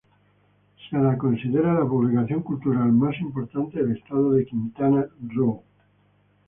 Se la considera la publicación cultural más importante del Estado de Quintana Roo.